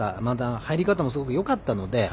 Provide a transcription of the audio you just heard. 入り方もすごいよかったので。